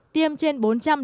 tiêm trên bốn trăm linh